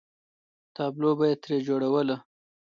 تابلو به یې ترې جوړوله.